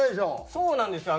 そうなんですよ。